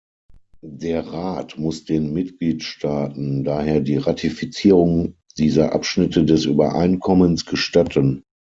Der Rat muss den Mitgliedstaaten daher die Ratifizierung dieser Abschnitte des Übereinkommens gestatten.